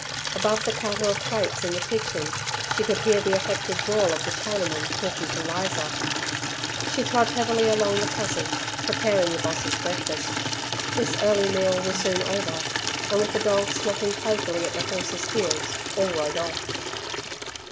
Above the clatter of plates in the kitchen she could hear the affected drawl of the Chinaman talking to Lizer. She trod heavily along the passage, preparing the boss's breakfast. This early meal was soon over, and with the dogs snapping playfully at the horses' heels, all rode off.